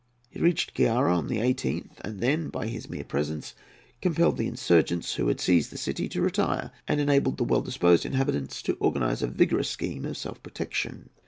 He reached Cearà on the 18th, and then, by his mere presence, compelled the insurgents, who had seized the city, to retire, and enabled the well disposed inhabitants to organize a vigorous scheme of self protection.